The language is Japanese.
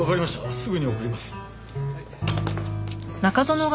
すぐに送ります。